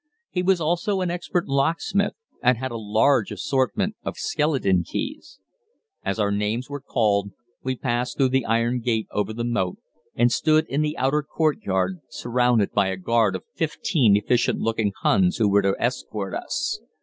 He was also an expert locksmith and had a large assortment of skeleton keys. As our names were called, we passed through the iron gate over the moat and stood in the outer courtyard, surrounded by a guard of fifteen efficient looking Huns who were to escort us.